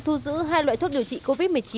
thu giữ hai loại thuốc điều trị covid một mươi chín